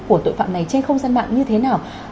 của tội phạm này trên không gian mạng như thế nào